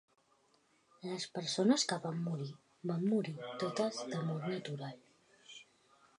Les persones que van morir, van morir totes de mort natural.